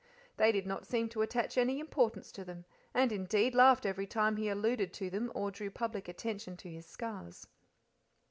They did not seem to attach any importance to them, and, indeed, laughed every time he alluded to them or drew public attention to his scars.